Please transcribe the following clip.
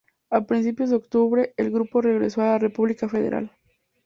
A principios de octubre el grupo regresó a la República Federal.